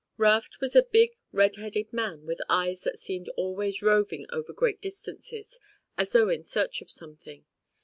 Raft was a big red headed man with eyes that seemed always roving over great distances as though in search of something.